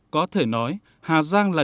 có thể nói hà giang là địa bàn của hà giang